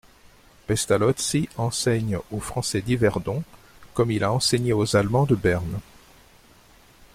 Pestalozzi enseigne aux Français d'Yverdon comme il a enseigné aux Allemands de Berne.